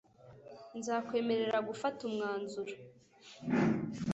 nzakwemerera gufata umwanzuro